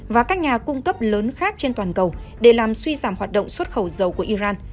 và các nhà cung cấp lớn khác trên toàn cầu để làm suy giảm hoạt động xuất khẩu dầu của iran